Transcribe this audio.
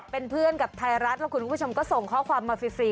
เป็นเพื่อนกับไทยรัฐแล้วคุณผู้ชมก็ส่งข้อความมาฟรี